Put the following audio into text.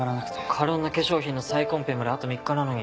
カロンナ化粧品の再コンペまであと３日なのに。